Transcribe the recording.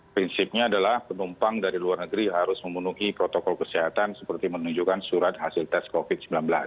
prinsipnya adalah penumpang dari luar negeri harus memenuhi protokol kesehatan seperti menunjukkan surat hasil tes covid sembilan belas